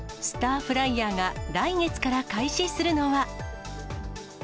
スターフライヤーが来月から開始するのは。